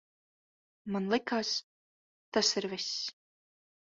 Man likās, tas ir viss.